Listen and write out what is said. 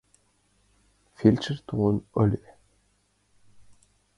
— Фельдшер толын ыле.